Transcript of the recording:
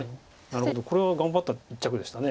なるほどこれは頑張った一着でした。